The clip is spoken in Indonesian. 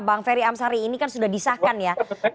bang ferry amsari ini kan sudah disahkan ya